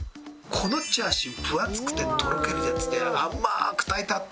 このチャーシュー分厚くてとろけるやつで甘く炊いてあって。